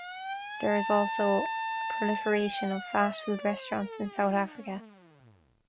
There is also a proliferation of fast food restaurants in South Africa.